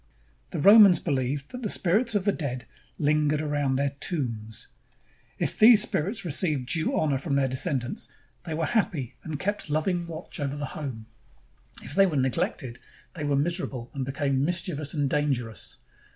The Romans believed that the spirits of the dead lingered around their tombs. If these spirits received 327 ROME due honor from their descendants, they were happy and kept loving watch over the home. If they were neg lected, they were miserable and became mischievous and dangerous.